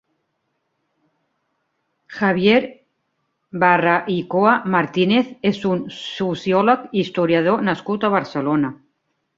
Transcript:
Javier Barraycoa Martínez és un sociòleg i historiador nascut a Barcelona.